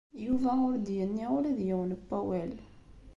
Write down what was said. Yuba ur d-yenni ula d yiwen n wawal.